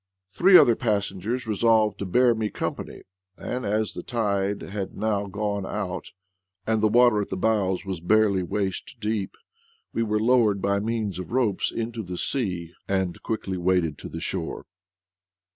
Three other passengers resolved to bear me company; and as the tide had now gone out, and the water at the bows was barely waist deep, we were lowered by means of ropes into the sea, and quickly waded to the shore.